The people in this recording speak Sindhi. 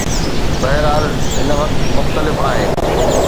بهرحال، هن وقت مختلف آهي.